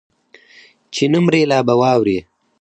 چې نه مرې لا به واورې